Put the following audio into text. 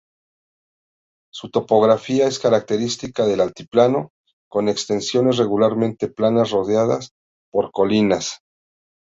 Su topografía es característica del altiplano, con extensiones regularmente planas rodeadas por colinas.